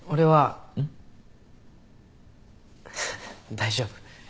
大丈夫。